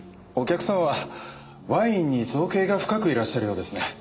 お客様はワインに造詣が深くいらっしゃるようですね。